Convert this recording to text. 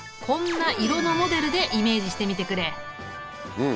うん。